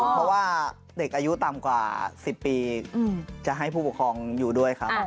เพราะว่าเด็กอายุต่ำกว่า๑๐ปีจะให้ผู้ปกครองอยู่ด้วยครับ